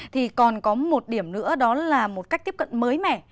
thì còn có một điểm nữa đó là một cách tiếp cận mới mẻ